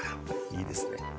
いいですね。